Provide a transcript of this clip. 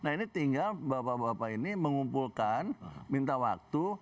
nah ini tinggal bapak bapak ini mengumpulkan minta waktu